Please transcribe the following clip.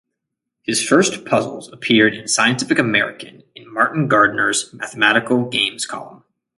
His first puzzles appeared in "Scientific American" in Martin Gardner's "Mathematical Games" column.